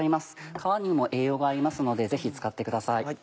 皮にも栄養がありますのでぜひ使ってください。